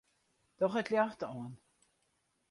Doch it ljocht oan.